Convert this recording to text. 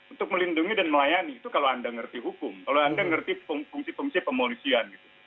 untuk melindungi dan melayani itu kalau anda ngerti hukum kalau anda ngerti fungsi fungsi pemolisian gitu